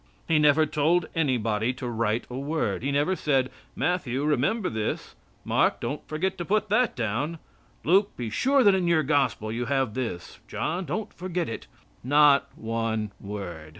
He never told anybody to write a word. He never said: "Matthew, remember this. Mark, don't forget to put that down. Luke, be sure that in your gospel you have this. John, don't forget it." Not one word.